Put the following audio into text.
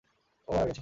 ও মারা গেছে।